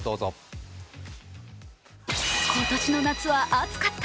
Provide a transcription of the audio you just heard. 今年の夏は暑かった。